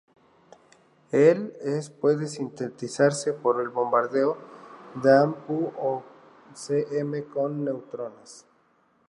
El Es puede sintetizarse por bombardeo de Am, Pu o Cm con neutrones.